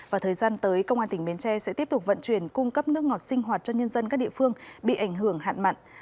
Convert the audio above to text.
và thời gian tới công an tỉnh bến tre sẽ tiếp tục vận chuyển cung cấp nước ngọt sinh hoạt cho nhân dân các địa phương bị ảnh hưởng hạn mặn